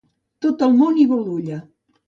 Tot el món i Bolulla.